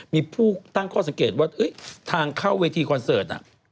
มีผู้ตั้งข้อสังเกตว่าทางเข้าเวทีคอนเสิร์ต